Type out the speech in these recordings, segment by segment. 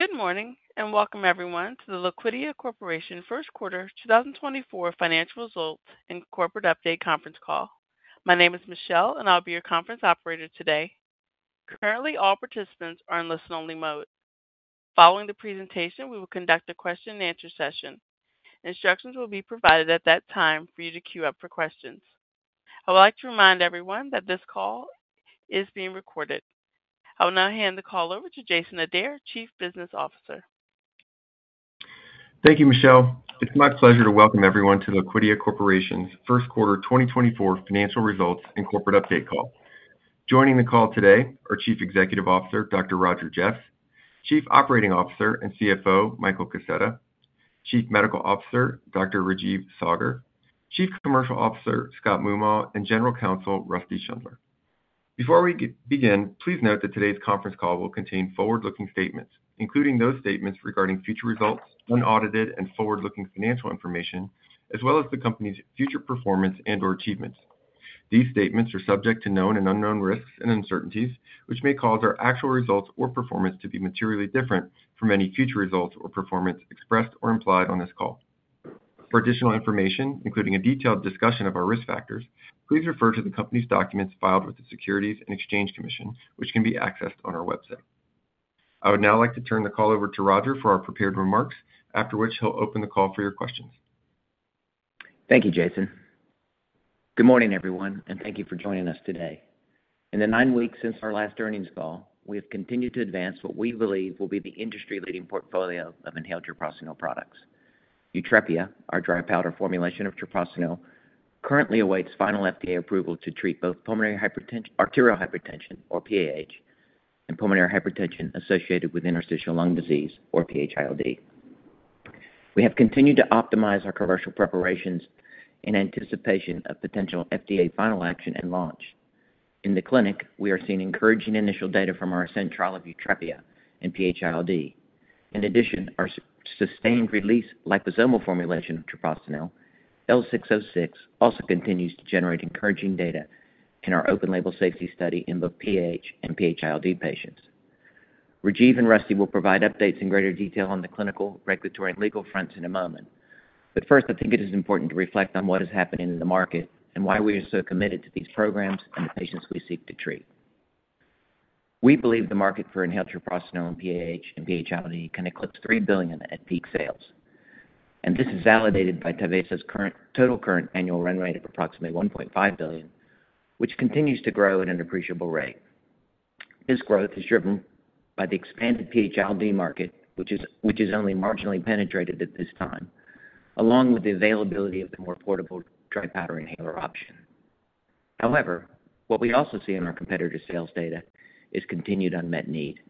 Good morning and welcome everyone to the Liquidia Corporation first quarter 2024 financial results and corporate update conference call. My name is Michelle and I'll be your conference operator today. Currently all participants are in listen-only mode. Following the presentation we will conduct a question-and-answer session. Instructions will be provided at that time for you to queue up for questions. I would like to remind everyone that this call is being recorded. I will now hand the call over to Jason Adair, Chief Business Officer. Thank you, Michelle. It's my pleasure to welcome everyone to Liquidia Corporation's first quarter 2024 financial results and corporate update call. Joining the call today are Chief Executive Officer Dr. Roger Jeffs, Chief Operating Officer and CFO Michael Kaseta, Chief Medical Officer Dr. Rajeev Saggar, Chief Commercial Officer Scott Moomaw, and General Counsel Rusty Schundler. Before we begin, please note that today's conference call will contain forward-looking statements, including those statements regarding future results, unaudited and forward-looking financial information, as well as the company's future performance and/or achievements. These statements are subject to known and unknown risks and uncertainties, which may cause our actual results or performance to be materially different from any future results or performance expressed or implied on this call. For additional information, including a detailed discussion of our risk factors, please refer to the company's documents filed with the Securities and Exchange Commission, which can be accessed on our website. I would now like to turn the call over to Roger for our prepared remarks, after which he'll open the call for your questions. Thank you, Jason. Good morning, everyone, and thank you for joining us today. In the nine weeks since our last earnings call, we have continued to advance what we believe will be the industry-leading portfolio of inhaled treprostinil products. Yutrepia, our dry powder formulation of treprostinil, currently awaits final FDA approval to treat both pulmonary arterial hypertension, or PAH, and pulmonary hypertension associated with interstitial lung disease, or PH-ILD. We have continued to optimize our commercial preparations in anticipation of potential FDA final action and launch. In the clinic, we are seeing encouraging initial data from our recent trial of Yutrepia and PH-ILD. In addition, our sustained-release liposomal formulation of treprostinil, L606, also continues to generate encouraging data in our open-label safety study in both PAH and PH-ILD patients. Rajeev and Rusty will provide updates in greater detail on the clinical, regulatory, and legal fronts in a moment, but first I think it is important to reflect on what is happening in the market and why we are so committed to these programs and the patients we seek to treat. We believe the market for inhaled treprostinil and PAH and PH-ILD can eclipse $3 billion at peak sales, and this is validated by Tyvaso's total current annual run rate of approximately $1.5 billion, which continues to grow at an appreciable rate. This growth is driven by the expanded PH-ILD market, which is only marginally penetrated at this time, along with the availability of the more portable dry powder inhaler option. However, what we also see in our competitor sales data is continued unmet need.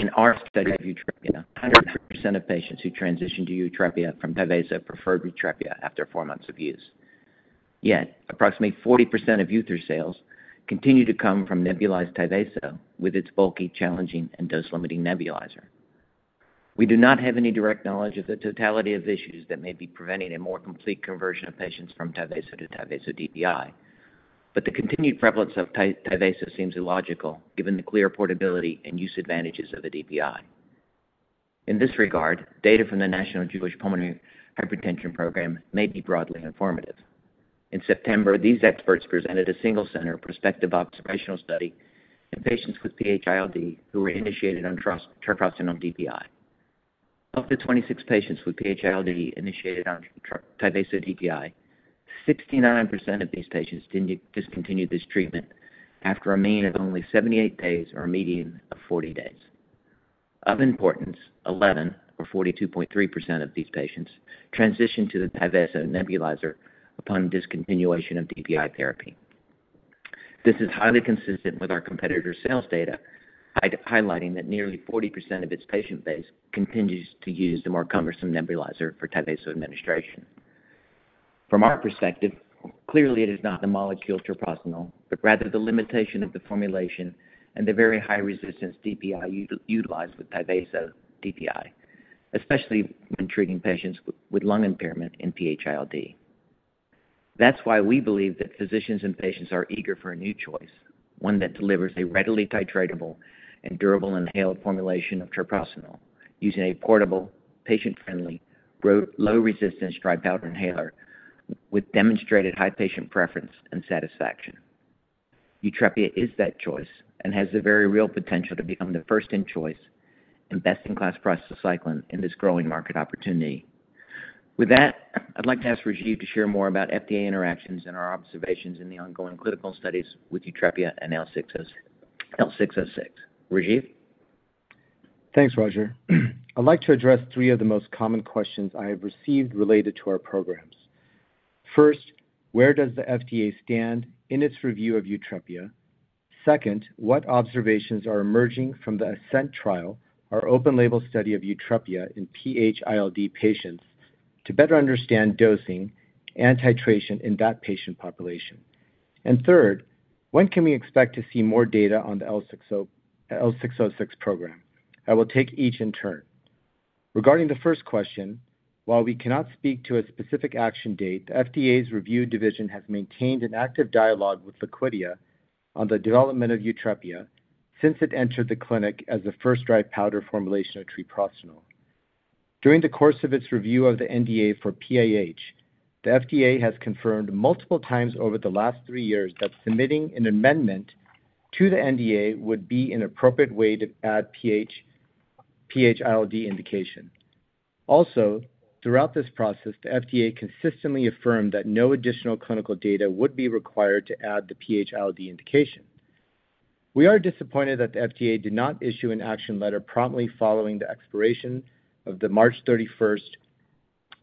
In our study of Yutrepia, 100% of patients who transitioned to Yutrepia from Tyvaso preferred Yutrepia after four months of use. Yet, approximately 40% of Tyvaso sales continue to come from nebulized Tyvaso with its bulky, challenging, and dose-limiting nebulizer. We do not have any direct knowledge of the totality of issues that may be preventing a more complete conversion of patients from Tyvaso to Tyvaso DPI, but the continued prevalence of Tyvaso seems illogical given the clear portability and use advantages of a DPI. In this regard, data from the National Jewish Pulmonary Hypertension Program may be broadly informative. In September, these experts presented a single-center prospective observational study in patients with PH-ILD who were initiated on treprostinil DPI. Of the 26 patients with PH-ILD initiated on Tyvaso DPI, 69% of these patients discontinued this treatment after a mean of only 78 days or a median of 40 days. Of importance, 11, or 42.3% of these patients, transitioned to the Tyvaso nebulizer upon discontinuation of DPI therapy. This is highly consistent with our competitor sales data, highlighting that nearly 40% of its patient base continues to use the more cumbersome nebulizer for Tyvaso administration. From our perspective, clearly it is not the molecule treprostinil, but rather the limitation of the formulation and the very high-resistance DPI utilized with Tyvaso DPI, especially when treating patients with lung impairment and PH-ILD. That's why we believe that physicians and patients are eager for a new choice, one that delivers a readily titratable and durable inhaled formulation of treprostinil using a portable, patient-friendly, low-resistance dry powder inhaler with demonstrated high patient preference and satisfaction. Yutrepia is that choice and has the very real potential to become the first-in-choice and best-in-class prostacyclin in this growing market opportunity. With that, I'd like to ask Rajeev to share more about FDA interactions and our observations in the ongoing clinical studies with Yutrepia and L606. Rajeev? Thanks, Roger. I'd like to address three of the most common questions I have received related to our programs. First, where does the FDA stand in its review of Yutrepia? Second, what observations are emerging from the recent trial, our open-label study of Yutrepia in PH-ILD patients, to better understand dosing and titration in that patient population? And third, when can we expect to see more data on the L606 program? I will take each in turn. Regarding the first question, while we cannot speak to a specific action date, the FDA's review division has maintained an active dialogue with Liquidia on the development of Yutrepia since it entered the clinic as the first dry powder formulation of treprostinil. During the course of its review of the NDA for PAH, the FDA has confirmed multiple times over the last three years that submitting an amendment to the NDA would be an appropriate way to add PH-ILD indication. Also, throughout this process, the FDA consistently affirmed that no additional clinical data would be required to add the PH-ILD indication. We are disappointed that the FDA did not issue an action letter promptly following the expiration of the March 31st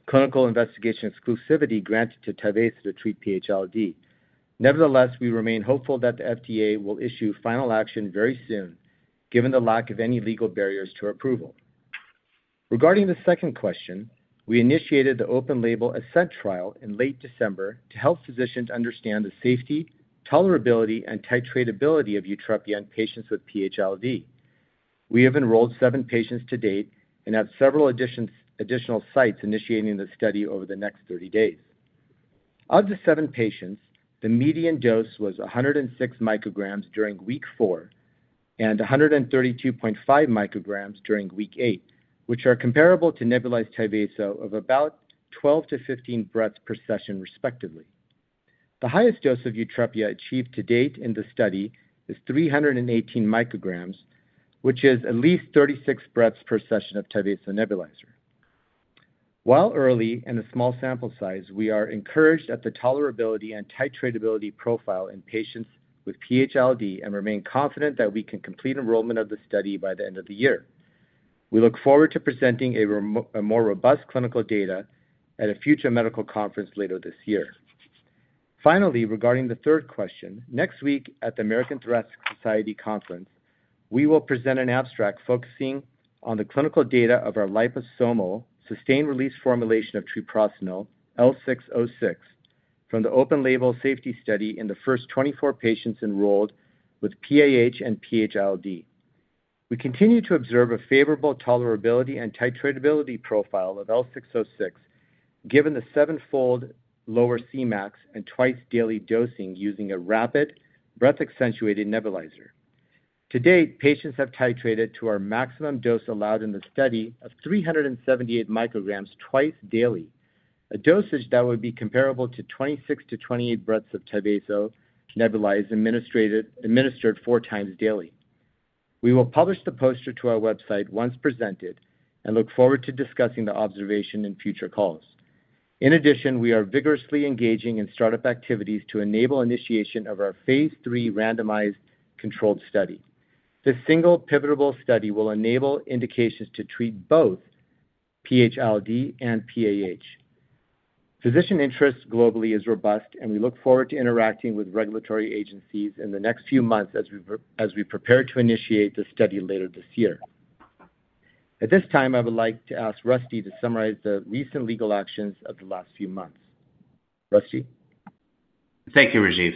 clinical investigation exclusivity granted to Tyvaso to treat PH-ILD. Nevertheless, we remain hopeful that the FDA will issue final action very soon, given the lack of any legal barriers to approval. Regarding the second question, we initiated the open-label recent trial in late December to help physicians understand the safety, tolerability, and titratability of Yutrepia in patients with PH-ILD. We have enrolled seven patients to date and have several additional sites initiating the study over the next 30 days. Of the seven patients, the median dose was 106 mcg during week four and 132.5 mcg during week eight, which are comparable to nebulized Tyvaso of about 12-15 breaths per session, respectively. The highest dose of Yutrepia achieved to date in the study is 318 mcg, which is at least 36 breaths per session of Tyvaso nebulizer. While early and a small sample size, we are encouraged at the tolerability and titratability profile in patients with PH-ILD and remain confident that we can complete enrollment of the study by the end of the year. We look forward to presenting more robust clinical data at a future medical conference later this year. Finally, regarding the third question, next week at the American Thoracic Society conference, we will present an abstract focusing on the clinical data of our liposomal sustained-release formulation of treprostinil, L606, from the open-label safety study in the first 24 patients enrolled with PAH and PH-ILD. We continue to observe a favorable tolerability and titratability profile of L606, given the seven-fold lower Cmax and twice-daily dosing using a rapid, breath-actuated nebulizer. To date, patients have titrated to our maximum dose allowed in the study of 378 mcg twice daily, a dosage that would be comparable to 26-28 breaths of Tyvaso nebulized administered four times daily. We will publish the poster to our website once presented and look forward to discussing the observation in future calls. In addition, we are vigorously engaging in startup activities to enable initiation of our phase III randomized controlled study. This single pivotal study will enable indications to treat both PH-ILD and PAH. Physician interest globally is robust, and we look forward to interacting with regulatory agencies in the next few months as we prepare to initiate the study later this year. At this time, I would like to ask Rusty to summarize the recent legal actions of the last few months. Rusty? Thank you, Rajeev.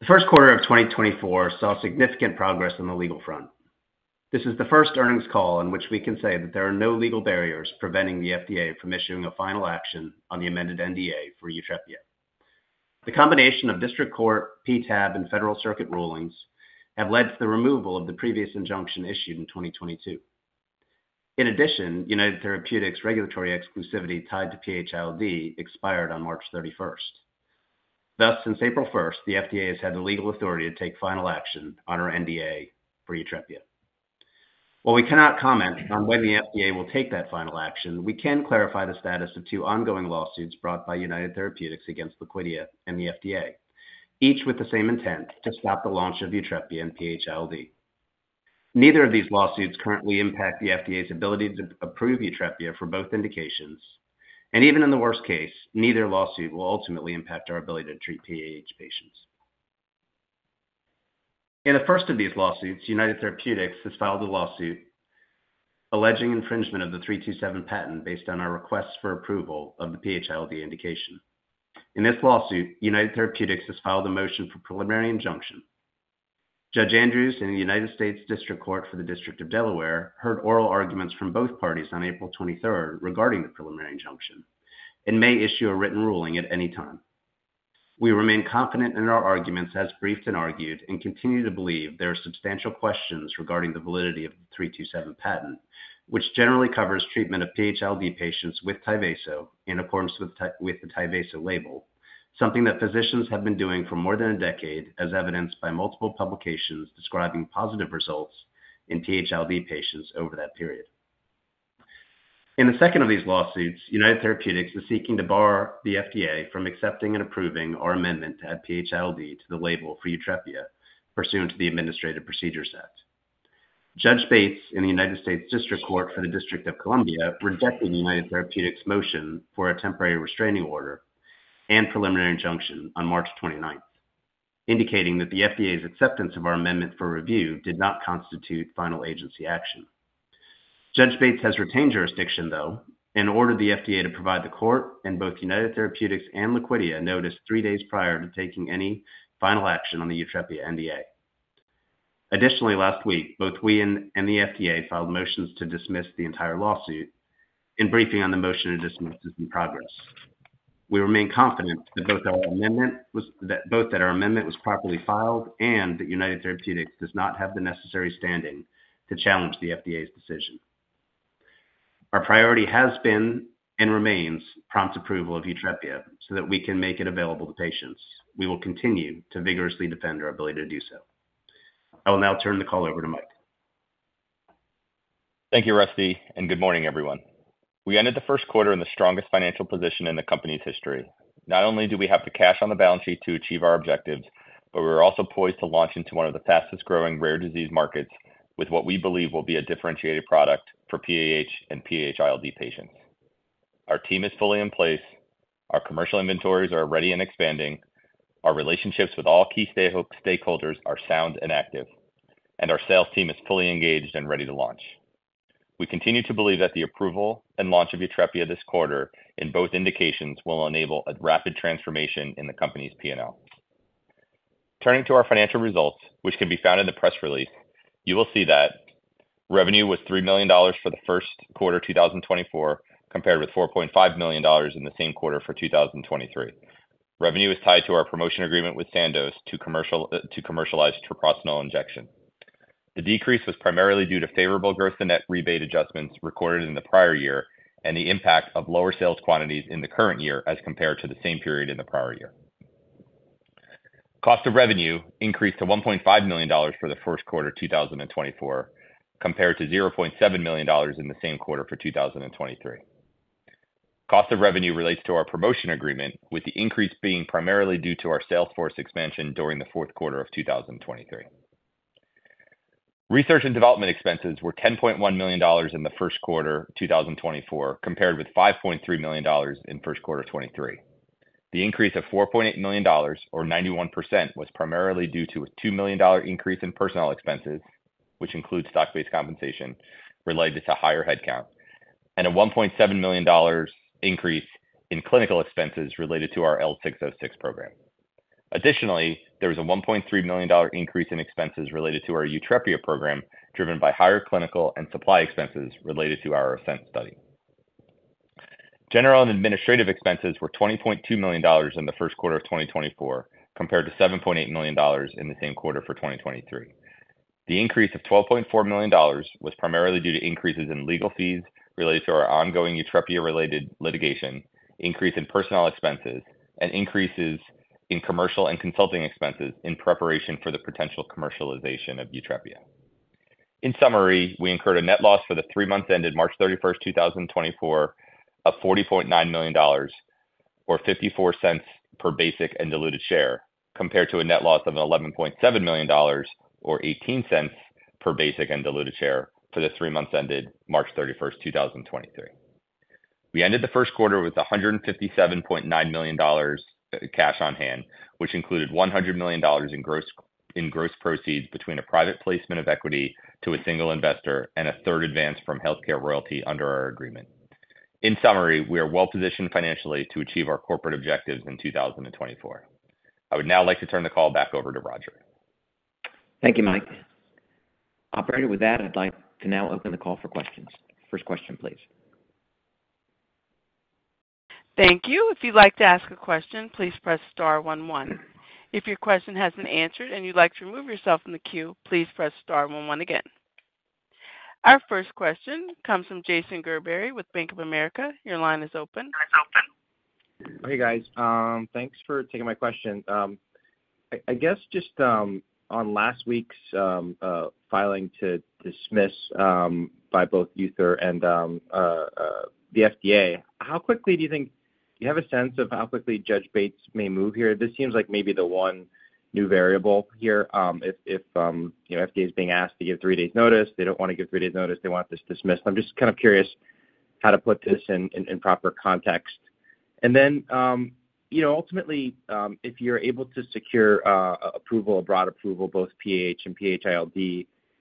The first quarter of 2024 saw significant progress on the legal front. This is the first earnings call in which we can say that there are no legal barriers preventing the FDA from issuing a final action on the amended NDA for Yutrepia. The combination of District Court, PTAB, and Federal Circuit rulings have led to the removal of the previous injunction issued in 2022. In addition, United Therapeutics' regulatory exclusivity tied to PH-ILD expired on March 31st. Thus, since April 1st, the FDA has had the legal authority to take final action on our NDA for Yutrepia. While we cannot comment on when the FDA will take that final action, we can clarify the status of two ongoing lawsuits brought by United Therapeutics against Liquidia and the FDA, each with the same intent to stop the launch of Yutrepia and PH-ILD. Neither of these lawsuits currently impact the FDA's ability to approve Yutrepia for both indications, and even in the worst case, neither lawsuit will ultimately impact our ability to treat PAH patients. In the first of these lawsuits, United Therapeutics has filed a lawsuit alleging infringement of the 327 patent based on our request for approval of the PH-ILD indication. In this lawsuit, United Therapeutics has filed a motion for preliminary injunction. Judge Andrews in the United States District Court for the District of Delaware heard oral arguments from both parties on April 23rd regarding the preliminary injunction and may issue a written ruling at any time. We remain confident in our arguments as briefed and argued and continue to believe there are substantial questions regarding the validity of the 327 patent, which generally covers treatment of PH-ILD patients with Tyvaso in accordance with the Tyvaso label, something that physicians have been doing for more than a decade, as evidenced by multiple publications describing positive results in PH-ILD patients over that period. In the second of these lawsuits, United Therapeutics is seeking to bar the FDA from accepting and approving our amendment to add PH-ILD to the label for Yutrepia, pursuant to the Administrative Procedure Act. Judge Bates in the United States District Court for the District of Columbia rejected United Therapeutics' motion for a temporary restraining order and preliminary injunction on March 29th, indicating that the FDA's acceptance of our amendment for review did not constitute final agency action. Judge Bates has retained jurisdiction, though, and ordered the FDA to provide the court and both United Therapeutics and Liquidia notice three days prior to taking any final action on the Yutrepia NDA. Additionally, last week, both we and the FDA filed motions to dismiss the entire lawsuit, and briefing on the motion to dismiss is in progress. We remain confident that our amendment was properly filed and that United Therapeutics does not have the necessary standing to challenge the FDA's decision. Our priority has been and remains prompt approval of Yutrepia so that we can make it available to patients. We will continue to vigorously defend our ability to do so. I will now turn the call over to Mike. Thank you, Rusty, and good morning, everyone. We ended the first quarter in the strongest financial position in the company's history. Not only do we have the cash on the balance sheet to achieve our objectives, but we are also poised to launch into one of the fastest-growing rare disease markets with what we believe will be a differentiated product for PAH and PH-ILD patients. Our team is fully in place. Our commercial inventories are ready and expanding. Our relationships with all key stakeholders are sound and active, and our sales team is fully engaged and ready to launch. We continue to believe that the approval and launch of Yutrepia this quarter in both indications will enable a rapid transformation in the company's P&L. Turning to our financial results, which can be found in the press release, you will see that revenue was $3 million for the first quarter 2024 compared with $4.5 million in the same quarter for 2023. Revenue is tied to our promotion agreement with Sandoz to commercialize treprostinil injection. The decrease was primarily due to favorable growth and net rebate adjustments recorded in the prior year and the impact of lower sales quantities in the current year as compared to the same period in the prior year. Cost of revenue increased to $1.5 million for the first quarter 2024 compared to $0.7 million in the same quarter for 2023. Cost of revenue relates to our promotion agreement, with the increase being primarily due to our sales force expansion during the fourth quarter of 2023. Research and development expenses were $10.1 million in the first quarter 2024 compared with $5.3 million in first quarter 2023. The increase of $4.8 million, or 91%, was primarily due to a $2 million increase in personnel expenses, which includes stock-based compensation related to higher headcount, and a $1.7 million increase in clinical expenses related to our L606 program. Additionally, there was a $1.3 million increase in expenses related to our Yutrepia program driven by higher clinical and supply expenses related to our recent study. General and administrative expenses were $20.2 million in the first quarter of 2024 compared to $7.8 million in the same quarter for 2023. The increase of $12.4 million was primarily due to increases in legal fees related to our ongoing Yutrepia-related litigation, increase in personnel expenses, and increases in commercial and consulting expenses in preparation for the potential commercialization of Yutrepia. In summary, we incurred a net loss for the three months ended March 31st, 2024, of $40.9 million, or $0.54 per basic and diluted share, compared to a net loss of $11.7 million, $0.18 per basic and diluted share for the three months ended March 31st, 2023. We ended the first quarter with $157.9 million cash on hand, which included $100 million in gross proceeds between a private placement of equity to a single investor and a third advance from HealthCare Royalty under our agreement. In summary, we are well-positioned financially to achieve our corporate objectives in 2024. I would now like to turn the call back over to Roger. Thank you, Mike. With that, I'd like to now open the call for questions. First question, please. Thank you. If you'd like to ask a question, please press star one one. If your question hasn't answered and you'd like to remove yourself from the queue, please press star one one again. Our first question comes from Jason Gerberry with Bank of America. Your line is open. Hey, guys. Thanks for taking my question. I guess just on last week's filing to dismiss by both United Therapeutics and the FDA, how quickly do you have a sense of how quickly Judge Bates may move here? This seems like maybe the one new variable here. If the FDA is being asked to give three days' notice, they don't want to give three days' notice. They want this dismissed. I'm just kind of curious how to put this in proper context. And then ultimately, if you're able to secure approval, a broad approval, both PAH and PH-ILD,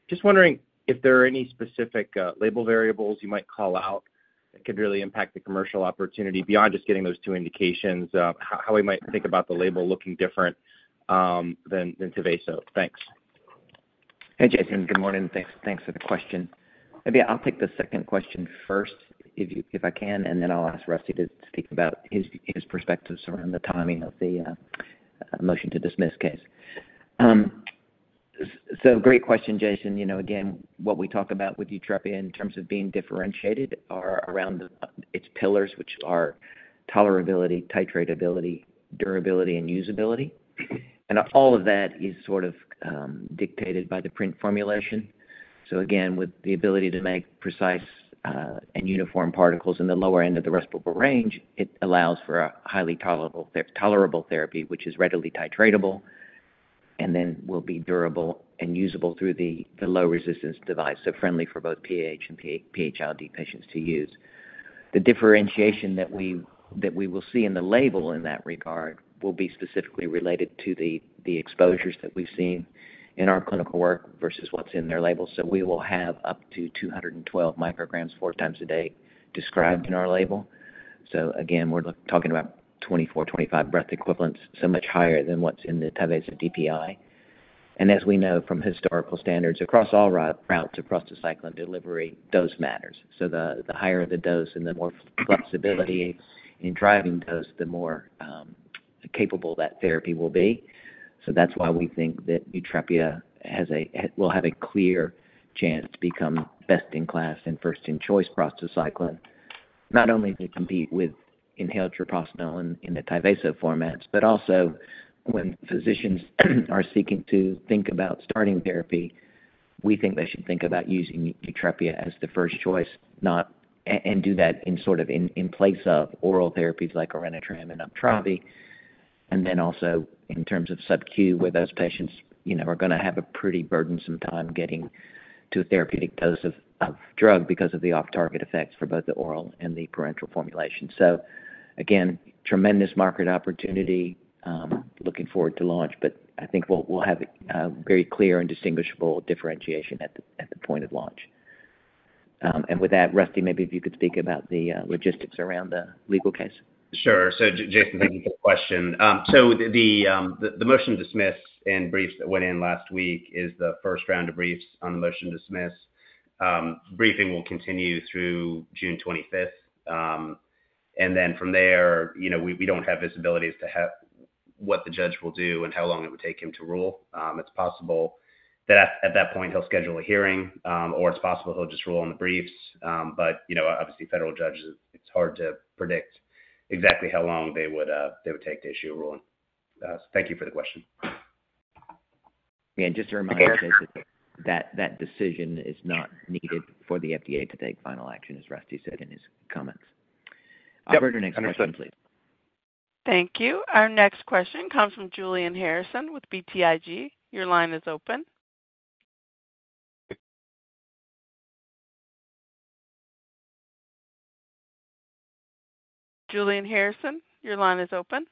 just wondering if there are any specific label variables you might call out that could really impact the commercial opportunity beyond just getting those two indications, how we might think about the label looking different than Tyvaso. Thanks. Hey, Jason. Good morning. Thanks for the question. Maybe I'll take the second question first if I can, and then I'll ask Rusty to speak about his perspectives around the timing of the motion to dismiss case. Great question, Jason. Again, what we talk about with Yutrepia in terms of being differentiated are around its pillars, which are tolerability, titratability, durability, and usability. All of that is sort of dictated by the PRINT formulation. Again, with the ability to make precise and uniform particles in the lower end of the respirable range, it allows for a highly tolerable therapy, which is readily titratable and then will be durable and usable through the low-resistance device, so friendly for both PAH and PH-ILD patients to use. The differentiation that we will see in the label in that regard will be specifically related to the exposures that we've seen in our clinical work versus what's in their label. So we will have up to 212 mcg four times a day described in our label. So again, we're talking about 24-25 breath equivalents, so much higher than what's in the Tyvaso DPI. And as we know from historical standards across all routes across the cycle and delivery, dose matters. So the higher the dose and the more flexibility in driving dose, the more capable that therapy will be. So that's why we think that Yutrepia will have a clear chance to become best in class and first in choice across the cycle, not only to compete with inhaled treprostinil in the Tyvaso formats, but also when physicians are seeking to think about starting therapy, we think they should think about using Yutrepia as the first choice and do that in place of oral therapies like Orenitram and Uptravi. And then also in terms of sub-Q, where those patients are going to have a pretty burdensome time getting to a therapeutic dose of drug because of the off-target effects for both the oral and the parenteral formulation. So again, tremendous market opportunity, looking forward to launch, but I think we'll have a very clear and distinguishable differentiation at the point of launch. And with that, Rusty, maybe if you could speak about the logistics around the legal case. Sure. So Jason, thank you for the question. So the motion to dismiss and briefs that went in last week is the first round of briefs on the motion to dismiss. Briefing will continue through June 25th. And then from there, we don't have visibilities to what the judge will do and how long it would take him to rule. It's possible that at that point, he'll schedule a hearing, or it's possible he'll just rule on the briefs. But obviously, federal judges, it's hard to predict exactly how long they would take to issue a ruling. Thank you for the question. Again, just a reminder, Jason, that that decision is not needed for the FDA to take final action, as Rusty said in his comments. Operator, next question, please. Thank you. Our next question comes from Julian Harrison with BTIG. Your line is open. Julian Harrison, your line is open.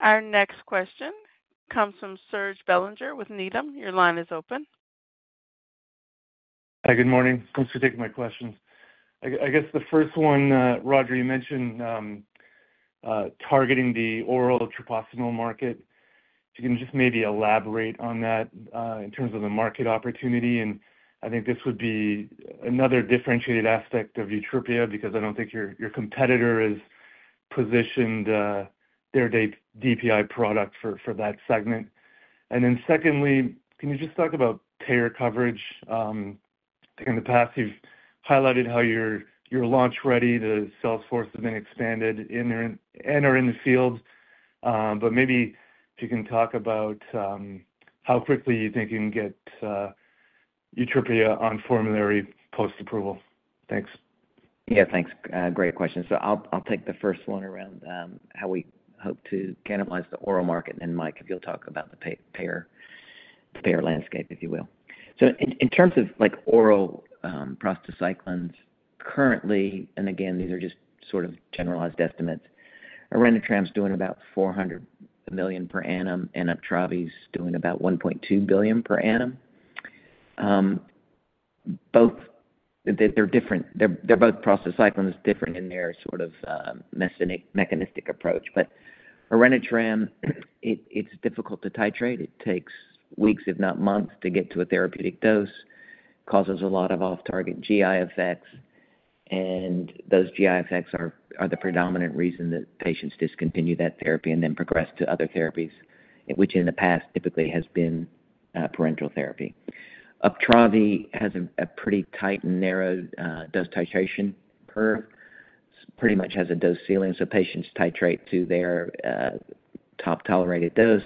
Our next question comes from Serge Belanger with Needham. Your line is open. Hi, good morning. Thanks for taking my questions. I guess the first one, Roger, you mentioned targeting the oral treprostinil market. If you can just maybe elaborate on that in terms of the market opportunity. And I think this would be another differentiated aspect of Yutrepia because I don't think your competitor is positioned their DPI product for that segment. And then secondly, can you just talk about payer coverage? In the past, you've highlighted how you're launch-ready. The sales force has been expanded and are in the field. But maybe if you can talk about how quickly you think you can get Yutrepia on formulary post-approval. Thanks. Yeah, thanks. Great question. So I'll take the first one around how we hope to cannibalize the oral market. And then Mike, if you'll talk about the payer landscape, if you will. So in terms of oral prostacyclines currently, and again, these are just sort of generalized estimates, Orenitram's doing about $400 million per annum, and Uptravi's doing about $1.2 billion per annum. They're both prostacyclines different in their sort of mechanistic approach. But Orenitram, it's difficult to titrate. It takes weeks, if not months, to get to a therapeutic dose, causes a lot of off-target GI effects. And those GI effects are the predominant reason that patients discontinue that therapy and then progress to other therapies, which in the past typically has been parenteral therapy. Uptravi has a pretty tight and narrow dose titration curve. It pretty much has a dose ceiling. So patients titrate to their top tolerated dose,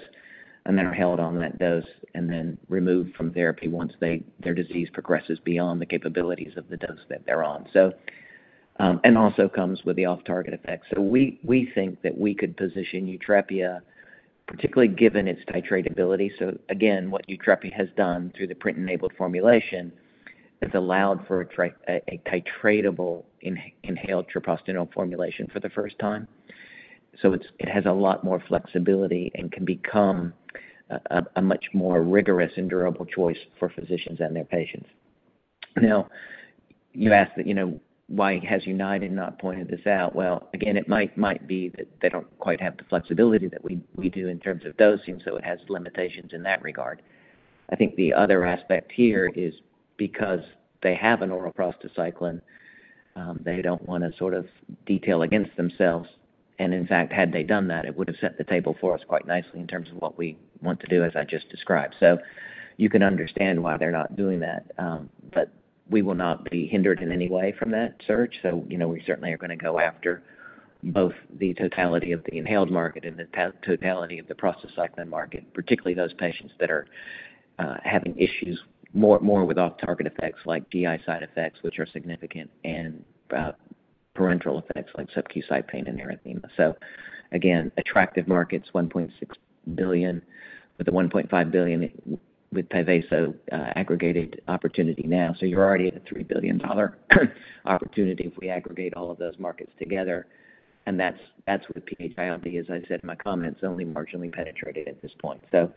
and then are held on that dose and then removed from therapy once their disease progresses beyond the capabilities of the dose that they're on. And also comes with the off-target effects. So we think that we could position Yutrepia, particularly given its titratability. So again, what Yutrepia has done through the PRINT-enabled formulation, it's allowed for a titratable inhaled treprostinil formulation for the first time. So it has a lot more flexibility and can become a much more rigorous and durable choice for physicians and their patients. Now, you asked why has United not pointed this out? Well, again, it might be that they don't quite have the flexibility that we do in terms of dosing, so it has limitations in that regard. I think the other aspect here is because they have an oral prostacyclin, they don't want to sort of detail against themselves. And in fact, had they done that, it would have set the table for us quite nicely in terms of what we want to do, as I just described. So you can understand why they're not doing that. But we will not be hindered in any way from that search. So we certainly are going to go after both the totality of the inhaled market and the totality of the prostacyclin market, particularly those patients that are having issues more with off-target effects like GI side effects, which are significant, and parenteral effects like subcutaneous site pain and erythema. So again, attractive markets, $1.6 billion with the $1.5 billion with Tyvaso aggregated opportunity now. So you're already at a $3 billion opportunity if we aggregate all of those markets together. And that's with PH-ILD, as I said in my comments, only marginally penetrated at this point. So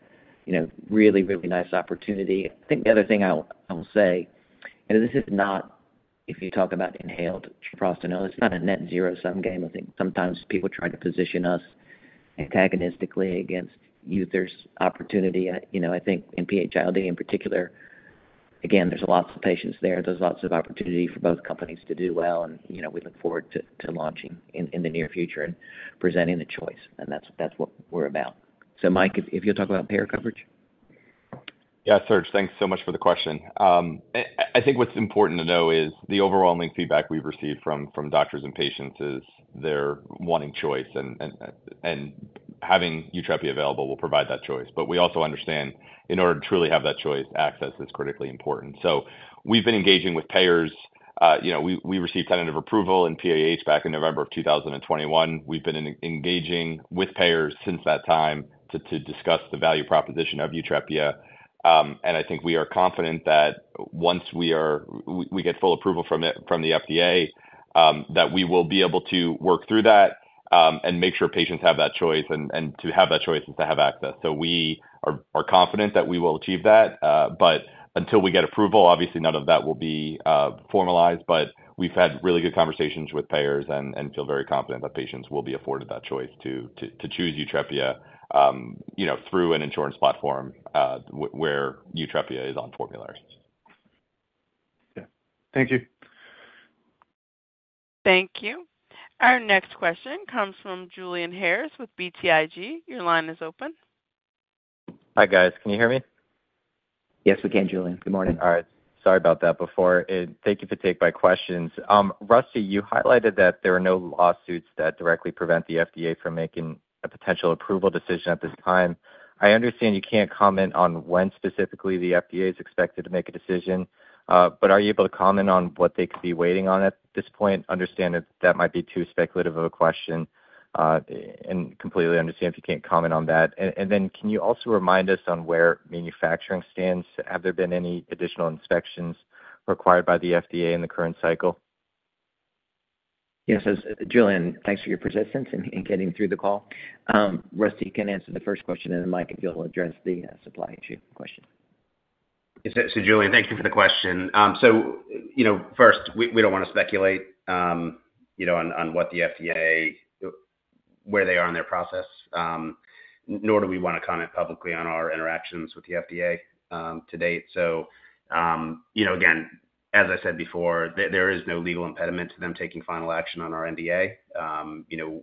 really, really nice opportunity. I think the other thing I will say, and this is not if you talk about inhaled treprostinil, it's not a net zero-sum game. I think sometimes people try to position us antagonistically against UTHR's opportunity. I think in PH-ILD in particular, again, there's lots of patients there. There's lots of opportunity for both companies to do well, and we look forward to launching in the near future and presenting the choice. And that's what we're about. So Mike, if you'll talk about payer coverage. Yeah, Serge, thanks so much for the question. I think what's important to know is the overall linked feedback we've received from doctors and patients is they're wanting choice, and having Yutrepia available will provide that choice. But we also understand, in order to truly have that choice, access is critically important. So we've been engaging with payers. We received tentative approval in PAH back in November of 2021. We've been engaging with payers since that time to discuss the value proposition of Yutrepia. And I think we are confident that once we get full approval from the FDA, that we will be able to work through that and make sure patients have that choice, and to have that choice is to have access. So we are confident that we will achieve that. But until we get approval, obviously, none of that will be formalized. But we've had really good conversations with payers and feel very confident that patients will be afforded that choice to choose Yutrepia through an insurance platform where Yutrepia is on formulary. Yeah. Thank you. Thank you. Our next question comes from Julian Harrison with BTIG. Your line is open. Hi, guys. Can you hear me? Yes, we can, Julian. Good morning. All right. Sorry about that before. Thank you for taking my questions. Rusty, you highlighted that there are no lawsuits that directly prevent the FDA from making a potential approval decision at this time. I understand you can't comment on when specifically the FDA is expected to make a decision, but are you able to comment on what they could be waiting on at this point? I understand that might be too speculative of a question and completely understand if you can't comment on that. And then can you also remind us on where manufacturing stands? Have there been any additional inspections required by the FDA in the current cycle? Yes, Julian, thanks for your persistence in getting through the call. Rusty, you can answer the first question, and then Mike, if you'll address the supply issue question. So Julian, thank you for the question. So first, we don't want to speculate on what the FDA, where they are in their process, nor do we want to comment publicly on our interactions with the FDA to date. So again, as I said before, there is no legal impediment to them taking final action on our NDA.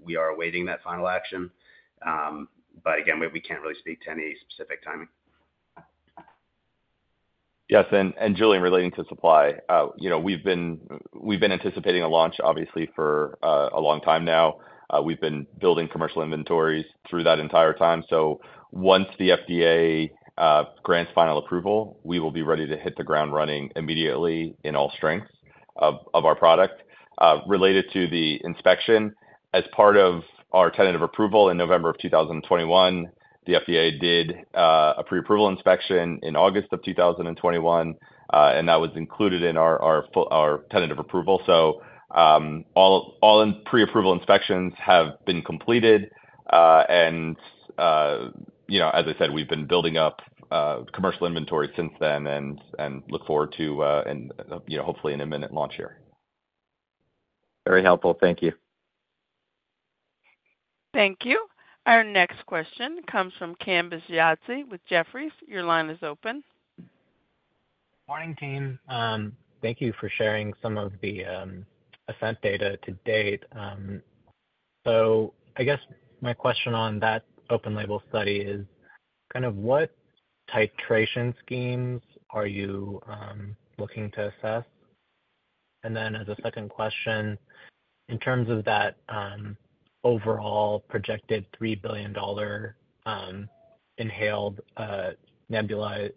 We are awaiting that final action. But again, we can't really speak to any specific timing. Yes. And Julian, relating to supply, we've been anticipating a launch, obviously, for a long time now. We've been building commercial inventories through that entire time. So once the FDA grants final approval, we will be ready to hit the ground running immediately in all strengths of our product. Related to the inspection, as part of our tentative approval in November of 2021, the FDA did a pre-approval inspection in August of 2021, and that was included in our tentative approval. So all pre-approval inspections have been completed. And as I said, we've been building up commercial inventory since then and look forward to, hopefully, an imminent launch here. Very helpful. Thank you. Thank you. Our next question comes from Kambiz Yazdi with Jefferies. Your line is open. Morning, team. Thank you for sharing some of the assessment data to date. So I guess my question on that open-label study is kind of what titration schemes are you looking to assess? And then as a second question, in terms of that overall projected $3 billion inhaled nebulized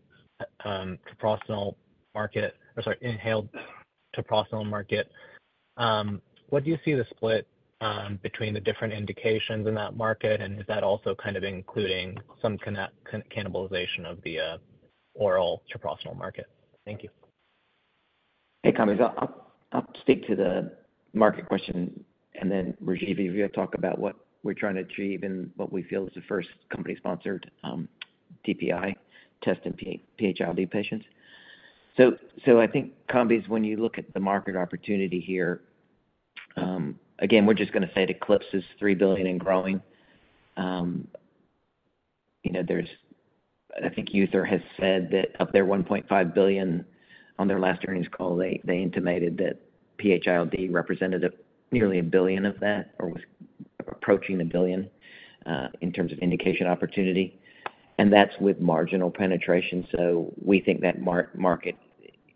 treprostinil market or sorry, inhaled treprostinil market, what do you see the split between the different indications in that market? And is that also kind of including some cannibalization of the oral treprostinil market? Thank you. Hey, Kambiz. I'll stick to the market question. Then Rajeev, if you'll talk about what we're trying to achieve and what we feel is the first company-sponsored DPI test in PH-ILD patients. So I think, Kambiz, when you look at the market opportunity here, again, we're just going to say it eclipses $3 billion and growing. I think United Therapeutics has said that of their $1.5 billion on their last earnings call, they intimated that PH-ILD represented nearly $1 billion of that or was approaching $1 billion in terms of indication opportunity. And that's with marginal penetration. So we think that market,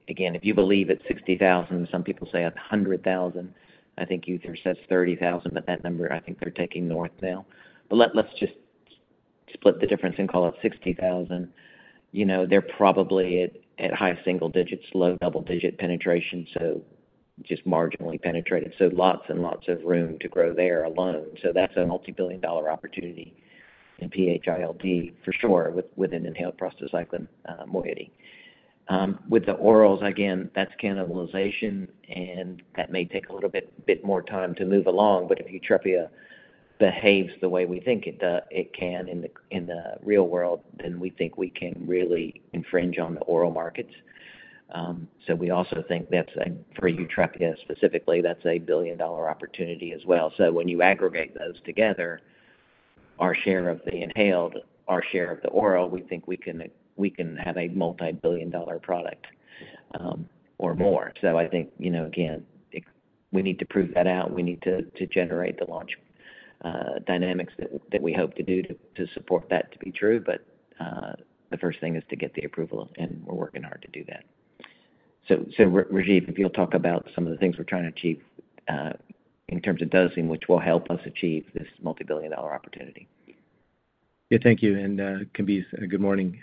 again, if you believe at 60,000, some people say at 100,000. I think United Therapeutics says 30,000, but that number, I think they're taking north now. But let's just split the difference and call it 60,000. They're probably at high single-digits, low double-digit penetration, so just marginally penetrated. Lots and lots of room to grow there alone. That's a multi-billion dollar opportunity in PH-ILD, for sure, with an inhaled prostacyclin moiety. With the orals, again, that's cannibalization, and that may take a little bit more time to move along. But if Yutrepia behaves the way we think it can in the real world, then we think we can really infringe on the oral markets. We also think that's for Yutrepia specifically, that's a billion dollar opportunity as well. When you aggregate those together, our share of the inhaled, our share of the oral, we think we can have a multi-billion dollar product or more. I think, again, we need to prove that out. We need to generate the launch dynamics that we hope to do to support that to be true. But the first thing is to get the approval, and we're working hard to do that. So Rajeev, if you'll talk about some of the things we're trying to achieve in terms of dosing, which will help us achieve this multi-billion dollar opportunity. Yeah, thank you. Kambiz, good morning.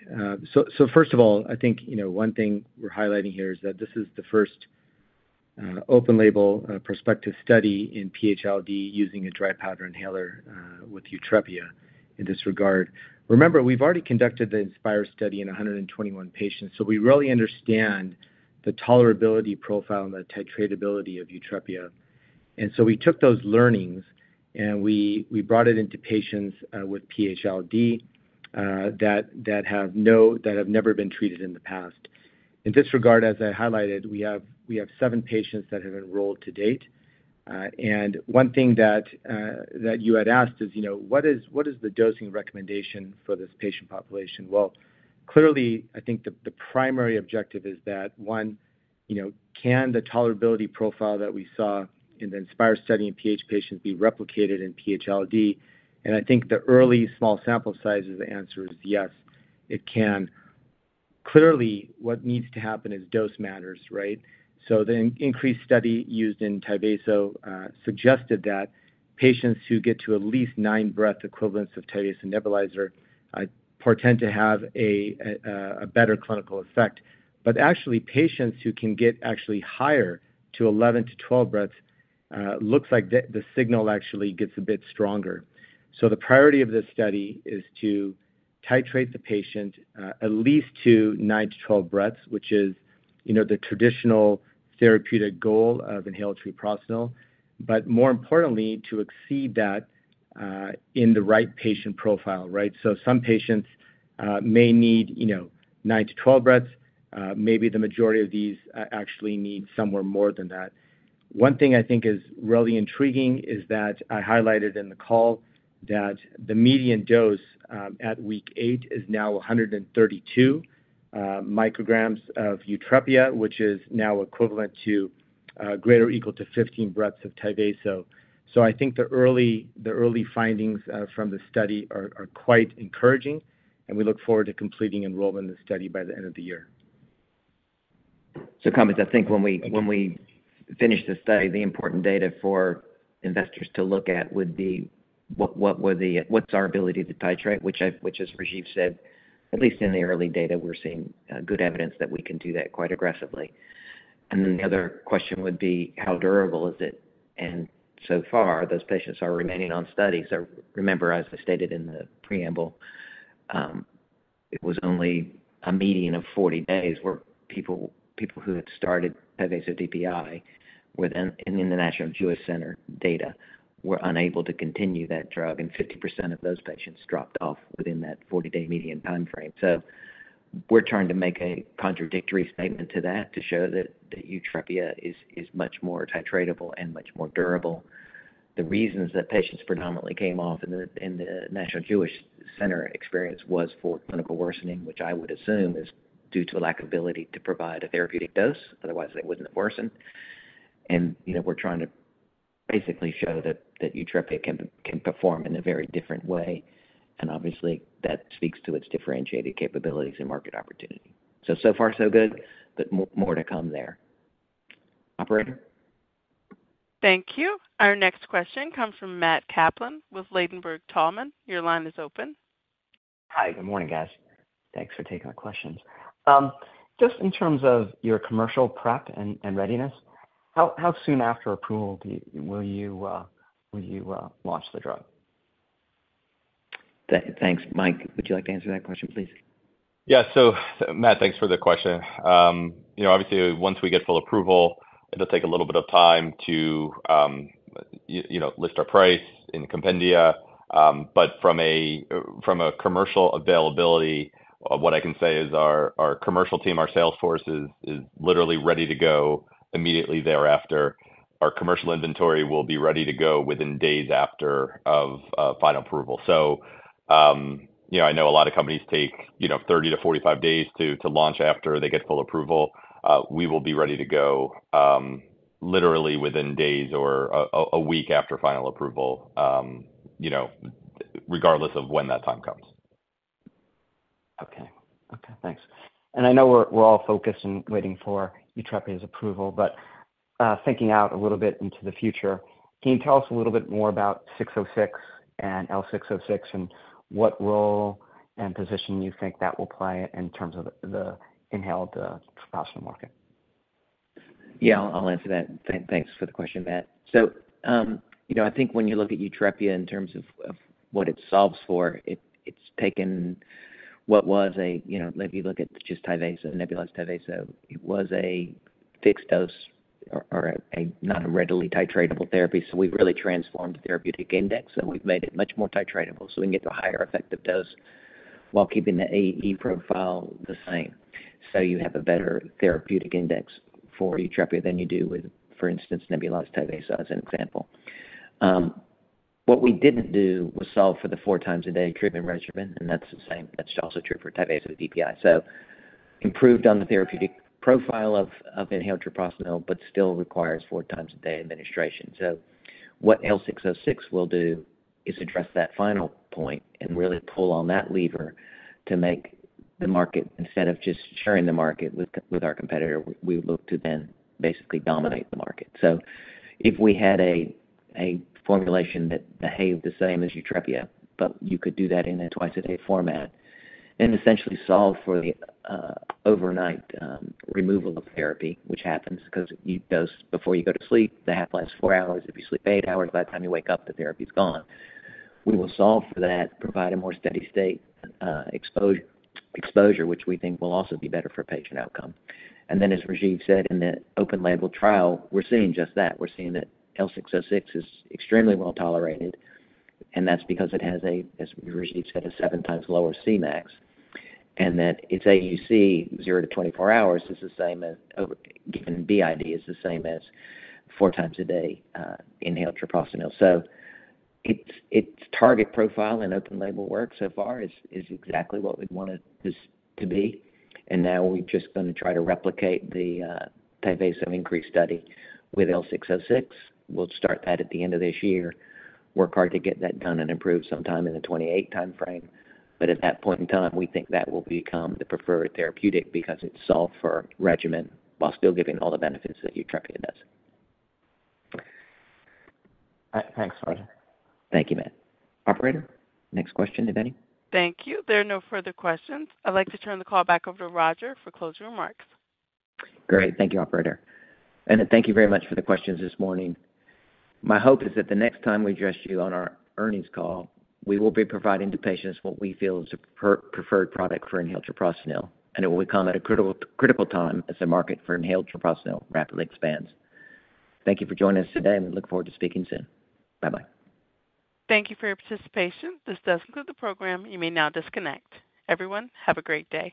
So first of all, I think one thing we're highlighting here is that this is the first open-label prospective study in PH-ILD using a dry powder inhaler with Yutrepia in this regard. Remember, we've already conducted the INSPIRE study in 121 patients. So we really understand the tolerability profile and the titratability of Yutrepia. And so we took those learnings, and we brought it into patients with PH-ILD that have never been treated in the past. In this regard, as I highlighted, we have seven patients that have enrolled to date. And one thing that you had asked is, what is the dosing recommendation for this patient population? Well, clearly, I think the primary objective is that, one, can the tolerability profile that we saw in the INSPIRE study in PH patients be replicated in PH-ILD? I think the early small sample size is the answer is yes, it can. Clearly, what needs to happen is dose matters, right? So the INSPIRE study used in Tyvaso suggested that patients who get to at least 9 breath equivalents of Tyvaso nebulizer tend to have a better clinical effect. But actually, patients who can get actually higher to 11-12 breaths, looks like the signal actually gets a bit stronger. So the priority of this study is to titrate the patient at least to nine-12 breaths, which is the traditional therapeutic goal of inhaled treprostinil, but more importantly, to exceed that in the right patient profile, right? So some patients may need nine-12 breaths. Maybe the majority of these actually need somewhere more than that. One thing I think is really intriguing is that I highlighted in the call that the median dose at week eight is now 132 mcg of Yutrepia, which is now equivalent to greater or equal to 15 breaths of Tyvaso. So I think the early findings from the study are quite encouraging, and we look forward to completing enrollment in the study by the end of the year. So Kambiz, I think when we finish the study, the important data for investors to look at would be, what's our ability to titrate? Which, as Rajeev said, at least in the early data, we're seeing good evidence that we can do that quite aggressively. And then the other question would be, how durable is it? And so far, those patients are remaining on study. So remember, as I stated in the preamble, it was only a median of 40 days where people who had started Tyvaso DPI, within the National Jewish Health data, were unable to continue that drug, and 50% of those patients dropped off within that 40-day median time frame. So we're trying to make a contradictory statement to that to show that Yutrepia is much more titratable and much more durable. The reasons that patients predominantly came off in the National Jewish Health experience was for clinical worsening, which I would assume is due to a lack of ability to provide a therapeutic dose. Otherwise, they wouldn't have worsened. We're trying to basically show that Yutrepia can perform in a very different way. Obviously, that speaks to its differentiated capabilities and market opportunity. So far, so good, but more to come there. Operator? Thank you. Our next question comes from Matt Kaplan with Ladenburg Thalmann. Your line is open. Hi. Good morning, guys. Thanks for taking my questions. Just in terms of your commercial prep and readiness, how soon after approval will you launch the drug? Thanks, Mike. Would you like to answer that question, please? Yeah. So Matt, thanks for the question. Obviously, once we get full approval, it'll take a little bit of time to list our price in the compendia. But from a commercial availability, what I can say is our commercial team, our sales force, is literally ready to go immediately thereafter. Our commercial inventory will be ready to go within days after final approval. So I know a lot of companies take 30-45 days to launch after they get full approval. We will be ready to go literally within days or a week after final approval, regardless of when that time comes. Okay. Okay. Thanks. I know we're all focused and waiting for Yutrepia's approval, but thinking out a little bit into the future, can you tell us a little bit more about 606 and L606 and what role and position you think that will play in terms of the inhaled treprostinil market? Yeah, I'll answer that. Thanks for the question, Matt. So I think when you look at Yutrepia in terms of what it solves for, it's taken what was a if you look at just Tyvaso, nebulized Tyvaso, it was a fixed dose or not a readily titratable therapy. So we've really transformed the therapeutic index. So we've made it much more titratable so we can get the higher effective dose while keeping the AE profile the same. So you have a better therapeutic index for Yutrepia than you do with, for instance, nebulized Tyvaso as an example. What we didn't do was solve for the four times a day treatment regimen, and that's also true for Tyvaso DPI. So improved on the therapeutic profile of inhaled treprostinil, but still requires four times a day administration. So what L606 will do is address that final point and really pull on that lever to make the market instead of just sharing the market with our competitor, we would look to then basically dominate the market. So if we had a formulation that behaved the same as Yutrepia, but you could do that in a twice-a-day format and essentially solve for the overnight removal of therapy, which happens because you dose before you go to sleep. The half-life lasts four hours. If you sleep eight hours, by the time you wake up, the therapy's gone. We will solve for that, provide a more steady state exposure, which we think will also be better for patient outcome. And then, as Rajeev said, in the open-label trial, we're seeing just that. We're seeing that L606 is extremely well tolerated, and that's because it has, as Rajeev said, a seven times lower Cmax and that its AUC 0-24 hours is the same as given BID, is the same as four times a day inhaled treprostinil. So its target profile in open-label work so far is exactly what we'd want it to be. And now we're just going to try to replicate the Tyvaso INSPIRE study with L606. We'll start that at the end of this year. Work hard to get that done and approve sometime in the 2028 time frame. But at that point in time, we think that will become the preferred therapeutic because it's solved for regimen while still giving all the benefits that Yutrepia does. Thanks, Roger. Thank you, Matt. Operator? Next question, if any. Thank you. There are no further questions. I'd like to turn the call back over to Roger for closing remarks. Great. Thank you, Operator. And thank you very much for the questions this morning. My hope is that the next time we address you on our earnings call, we will be providing to patients what we feel is the preferred product for inhaled Treprostinil. And it will come at a critical time as the market for inhaled treprostinil rapidly expands. Thank you for joining us today, and we look forward to speaking soon. Bye-bye. Thank you for your participation. This does conclude the program. You may now disconnect. Everyone, have a great day.